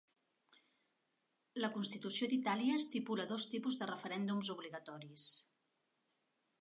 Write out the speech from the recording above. La constitució d'Itàlia estipula dos tipus de referèndums obligatoris.